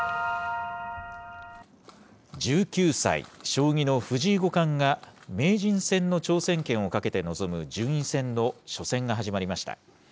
１９歳、将棋の藤井五冠が名人戦の挑戦権を懸けて臨む順位戦の初戦が始まりました。